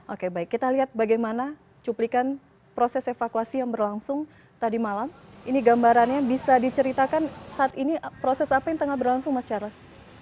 oke baik kita lihat bagaimana cuplikan proses evakuasi yang berlangsung tadi malam ini gambarannya bisa diceritakan saat ini proses apa yang tengah berlangsung mas charles